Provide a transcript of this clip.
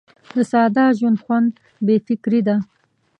د ساده ژوند خوند بې فکري ده.